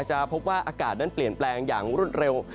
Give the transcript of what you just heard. จะพบว่าอากาศนั้นเปลี่ยนแปลงอย่างรวดเร็ว